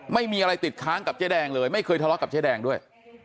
ไม่มีอะไรติดค้างกับเจ๊แดงเลยไม่เคยทะเลาะกับเจ๊แดงด้วย